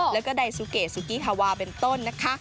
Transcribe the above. แล้วก็ไดซูเกสุกี้ฮาวาเป็นต้นนะคะ